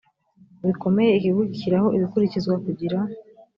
bikomeye ikigo gishyiraho ibikurikizwa kugira